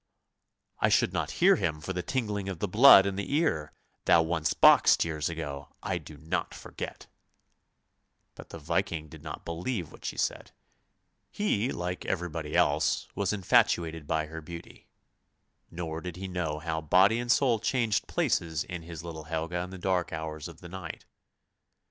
I should not hear him for the tingling of the blood in the ear thou once boxed years ago! I do not forget! " But the Viking did not believe what she said. He, like everybody else, was infatuated by her beauty, nor did he know how body and soul changed places in his little Helga in the dark hours of the night.